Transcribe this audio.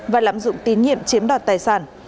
và lãm dụng tín nhiệm chiếm đoạt tài sản